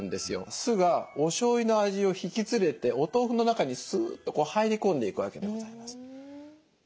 酢がおしょうゆの味を引き連れてお豆腐の中にすっと入り込んでいくわけでございます。